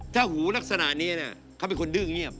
ถ้าหูลักษณะนี้เขาเป็นคนดื้อเงียบ